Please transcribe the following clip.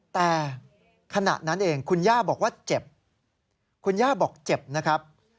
แต่ขณะนั้นเองคุณย่าบอกว่าเจ็บคุณย่าบอกเจ็บนะครับ